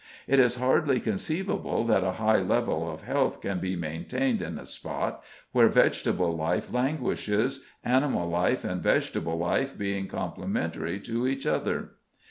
It is hardly conceivable that a high level of health can be maintained in a spot where vegetable life languishes, animal life and vegetable life being complementary to each other.